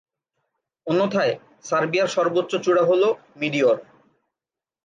অন্যথায়, সার্বিয়ার সর্বোচ্চ চূড়া হলো মিডিয়র।